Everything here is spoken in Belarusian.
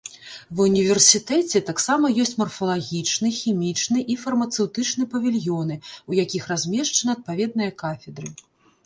Ва універсітэце таксама ёсць марфалагічны, хімічны і фармацэўтычны павільёны, у якіх размешчаны адпаведныя кафедры.